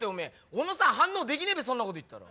小野さん反応できねえべそんなこと言ったら。